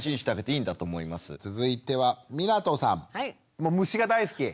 もう虫が大好き？